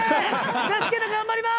ですけど頑張ります！